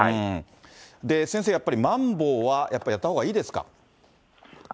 先生、やっぱりまん防はやっぱりやったほうがいいですか。